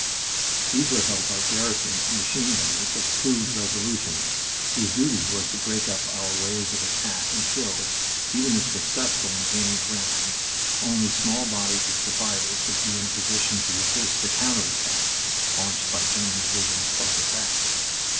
These were held by garrisons of machine gunners of proved resolution, whose duty was to break up our waves of attack until, even if successful in gaining ground, only small bodies of survivors would be in a position to resist the counter attacks launched by German divisions farther back.